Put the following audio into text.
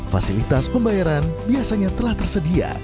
fasilitas pembayaran biasanya telah tersedia